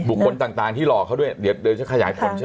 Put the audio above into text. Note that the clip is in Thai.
บุคคลต่างต่างที่รอเขาด้วยเดี๋ยวเดี๋ยวจะขยายผลใช่ไหม